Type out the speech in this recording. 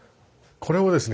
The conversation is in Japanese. これをですね